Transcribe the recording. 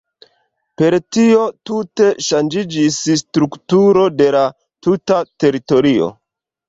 Per tio tute ŝanĝiĝis strukturo de la tuta teritorio.